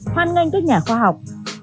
hoan nghênh các nhà khoa học